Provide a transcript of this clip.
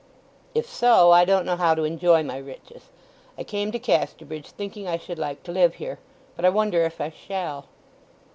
"If so, I don't know how to enjoy my riches. I came to Casterbridge thinking I should like to live here. But I wonder if I shall."